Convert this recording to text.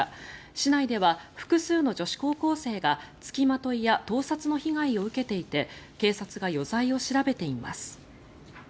市内では複数の女子高校生が付きまといや盗撮の被害を受けていて警察が余罪を調べています。